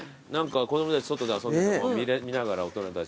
子供たち外で遊んでても見ながら大人たち。